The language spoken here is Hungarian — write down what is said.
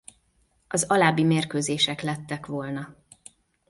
Az alábbi mérkőzések lettek volna.